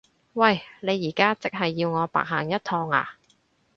喂！你而家即係要我白行一趟呀？